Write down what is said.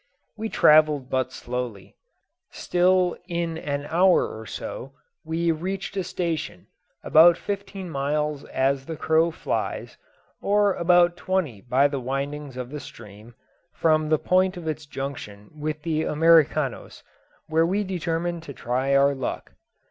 We travelled but slowly, still in an hour or so we reached a station, about fifteen miles as the crow flies, or about twenty by the windings of the stream, from the point of its junction with the Americanos, where we determined to try our luck.